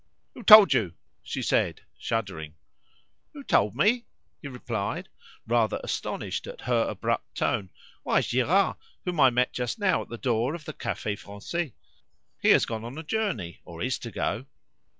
"Who told you?" she said, shuddering. "Who told me!" he replied, rather astonished at her abrupt tone. "Why, Girard, whom I met just now at the door of the Cafe Francais. He has gone on a journey, or is to go."